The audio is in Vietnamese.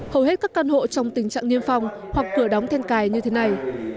hầu hết các căn hộ trong tình trạng niêm phong hoặc cửa đóng then cài như thế này